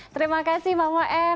terima kasih mama m